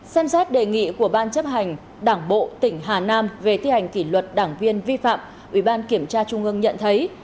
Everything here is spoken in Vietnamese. xem xét đề nghị của ban chấp hành đảng bộ tỉnh hà nam về thi hành kỷ luật đảng viên vi phạm ủy ban kiểm tra trung ương nhận thấy